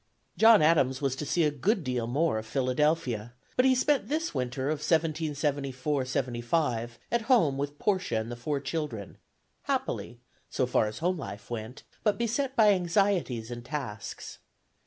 John Adams was to see a good deal more of Philadelphia; but he spent this winter of 1774 5 at home with Portia and the four children, happily, so far as home life went, but beset by anxieties and tasks.